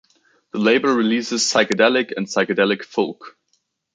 The label releases psychedelic and psychedelic folk.